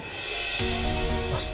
itu apaan pak